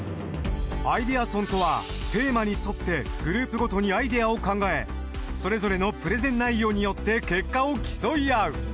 アイデアソンとはテーマに沿ってグループごとにアイデアを考えそれぞれのプレゼン内容によって結果を競い合う。